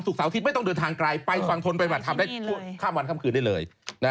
สุขสาวที่ไม่ต้องเดินทางไกลไปสวรรค์ทนค่งวันค้ามคืนได้เลย